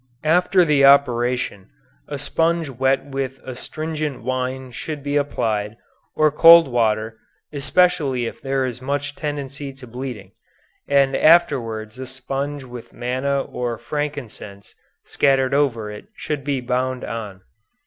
After the operation a sponge wet with astringent wine should be applied, or cold water, especially if there is much tendency to bleeding, and afterwards a sponge with manna or frankincense scattered over it should be bound on.